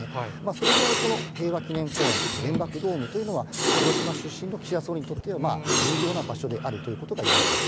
それぐらい、この平和記念公園、原爆ドームというのは、広島出身の岸田総理にとっては、重要な場所であるということがいえます。